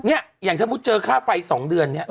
จงพี่มดอย่างเช่นเจอค่าไฟ๒เดือน